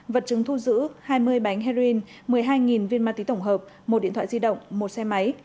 vật chứng thu giữ hai mươi bánh heroin một mươi hai viên ma túy tổng hợp một điện thoại di động một xe máy